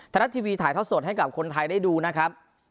รัฐทีวีถ่ายทอดสดให้กับคนไทยได้ดูนะครับ